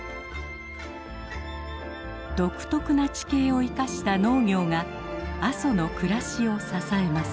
独特な地形を生かした農業が阿蘇の暮らしを支えます。